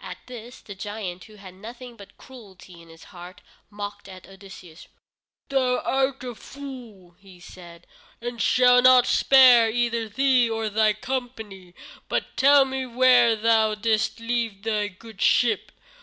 At this the giant, who had nothing but cruelty in his heart, mocked at Odysseus. "Thou art a fool," said he, "and I shall not spare either thee or thy company. But tell me where thou didst leave thy good ship?